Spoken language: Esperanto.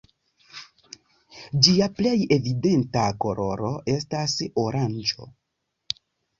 Ĝia plej evidenta koloro estas oranĝo.